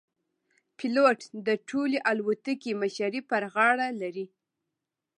پیلوټ د ټولې الوتکې مشري پر غاړه لري.